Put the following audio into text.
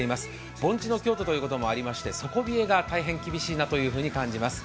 盆地の京都ということもありまして、底冷えが大変厳しいなと感じます。